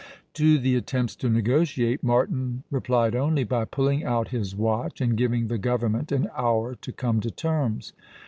To the attempts to negotiate, Martin replied only by pulling out his watch and giving the government an hour to come to terms.